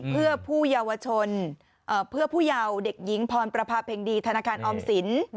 เพื่อผู้เยาวชนเพื่อผู้เยาว์เด็กหญิงพรประพาเพ็งดีธนาคารออมสิน